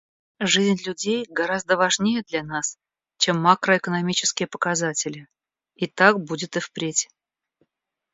Жизнь людей гораздо важнее для нас, чем макроэкономические показатели, и так будет и впредь.